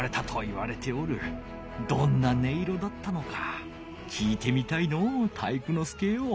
どんな音色だったのかきいてみたいのう体育ノ介よ。